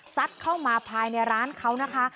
เข้ามาภายในร้านเขานะคะ